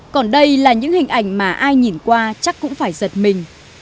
còn đây là những hình ảnh mà ai nhìn qua chắc cũng phải giật mình